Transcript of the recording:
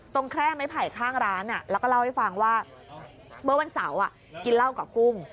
แค่ไม้ไผ่ข้างร้านแล้วก็เล่าให้ฟังว่าเมื่อวันเสาร์กินเหล้ากับกุ้ง